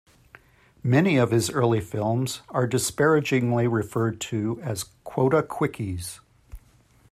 Many of his early films are disparagingly referred to as "quota quickies".